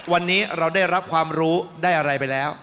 วันนี้เราได้รับความรู้ได้อะไรไปแล้ว